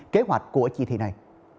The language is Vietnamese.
kế hoạch của chỉ thị này